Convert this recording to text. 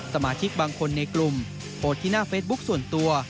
สมาชิกบางคนในกลุ่มโพสต์ที่หน้าเฟซบุ๊คส่วนตัว